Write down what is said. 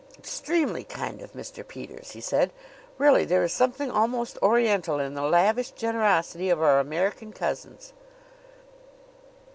"Extremely kind of Mr. Peters!" he said. "Really, there is something almost Oriental in the lavish generosity of our American cousins."